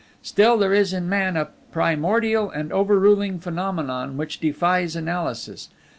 Still, there is in man a primordial and overruling phenomenon which defies analysis.